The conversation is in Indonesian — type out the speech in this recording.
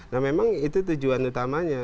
nah memang itu tujuan utamanya